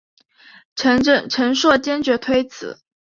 陈顼坚决推辞。